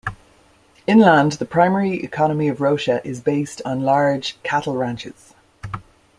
Inland, the primary economy of Rocha is based on large cattle ranches.